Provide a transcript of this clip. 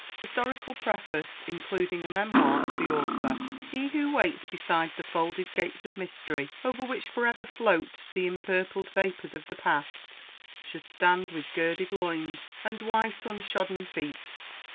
HISTORICAL PREFACE, INCLUDING A MEMOIR OF THE AUTHOR. He who waits beside the folded gates of mystery, over which forever float the impurpled vapors of the PAST, should stand with girded loins, and white, unshodden feet.